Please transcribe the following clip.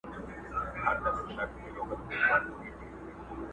چي بوډۍ وي په تلوار ډوډۍ خوړلې.!